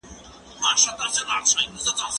ايا ته کتابونه ليکې